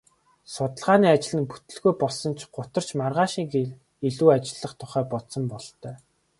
Судалгааны ажил нь бүтэлгүй болсонд л гутарч маргааш илүү ажиллах тухай бодсон бололтой.